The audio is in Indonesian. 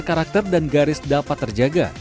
karakter dan garis dapat terjaga